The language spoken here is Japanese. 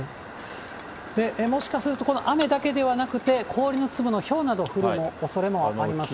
もしかしすると雨だけではなくて、氷の粒のひょうなど降るおそれもありますんで。